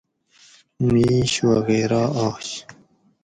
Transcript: مِیش وغیرہ آش